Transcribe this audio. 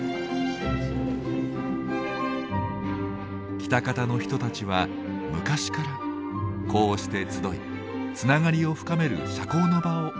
喜多方の人たちは昔からこうして集いつながりを深める社交の場を大切にしています。